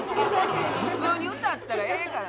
普通に歌ったらええから。